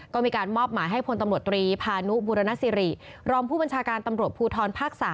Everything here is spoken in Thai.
ก็มีการมอบหมายให้พลตำรวจตรีพานุบุรณสิริรองผู้บัญชาการตำรวจภูทรภาค๓